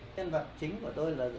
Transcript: nhân vật chính của tôi là